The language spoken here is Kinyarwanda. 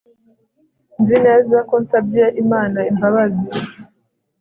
nzi neza ko nsabye imana imbabazi